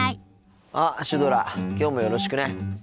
あっシュドラきょうもよろしくね。